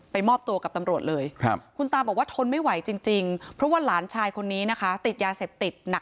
มอบตัวกับตำรวจเลยคุณตาบอกว่าทนไม่ไหวจริงเพราะว่าหลานชายคนนี้นะคะติดยาเสพติดหนัก